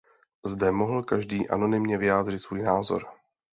Zde mohl každý anonymně vyjádřit svůj názor.